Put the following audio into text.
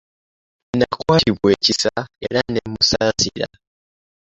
Nakwatibwa ekisa era ne mmusaasira.